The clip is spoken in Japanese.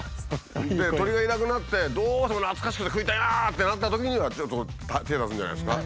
鶏がいなくなってどうしても懐かしくて食いたいなってなったときにはちょっと手出すんじゃないですか。